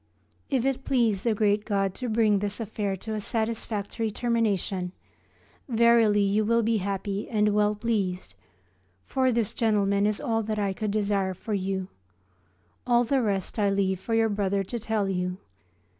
If it please the great God to bring this affair to a satisfactory termination, verily you will be happy and well pleased, for this gentleman is all that I could desire for you. All the rest I leave for your brother to tell you.